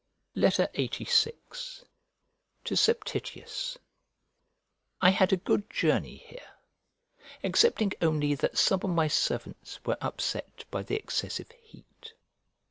LXXX VI To SEPTITIUS I HAD a good journey here, excepting only that some of my servants were upset by the excessive heat.